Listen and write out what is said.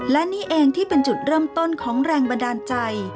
และนี่เองที่เป็นจุดเริ่มต้นของแรงบันดาลใจ